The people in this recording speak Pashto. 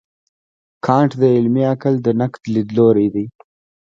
کانټ د عملي عقل د نقد لیدلوری لري.